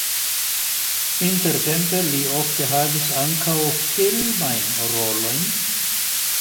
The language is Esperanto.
Intertempe li ofte havis ankaŭ filmajn rolojn.